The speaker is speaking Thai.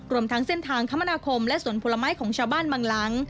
รวมทั้งเส้นทางคมนาคมและสวนผลไม้ของชาวบ้านบางหลัง